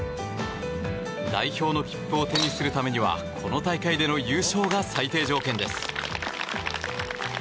代表の切符を手にするためにはこの大会での優勝が最低条件です。